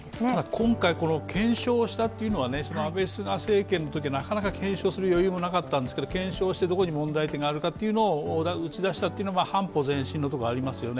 今回、検証したというのは安倍・菅政権のときにはなかなか検証する余裕がなかったんですが検証して、どこに問題点があるのか打ち出したのが半歩前進のところがありますよね。